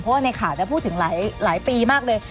เพราะว่าในข่าวพูดถึงหลายปีมากเลย